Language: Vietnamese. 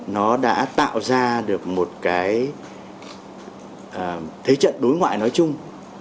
nó đã tạo ra được một cái thế trận đối ngoại nói chung